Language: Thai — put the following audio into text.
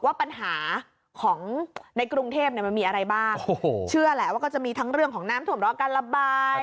ว่าปัญหาของในกรุงเทพเนี่ยมันมีอะไรบ้างโอ้โหเชื่อแหละว่าก็จะมีทั้งเรื่องของน้ำถ่วมรอการระบาย